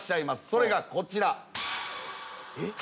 それがこちら。